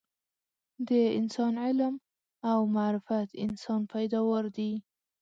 د انسان علم او معرفت انسان پیداوار دي